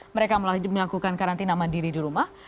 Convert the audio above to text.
mereka melakukan karantina mandiri di rumah